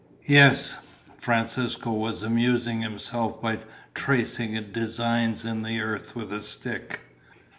"Yes," Francisco was amusing himself by tracing designs in the earth with a stick.